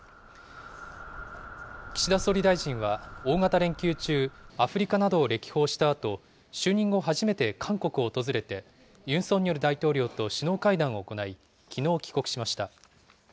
岸田総理大臣は大型連休中、アフリカなどを歴訪したあと、就任後初めて韓国を訪れて、ユン・ソンニョル大統領と首脳会談を行い、きのう、帰国しました。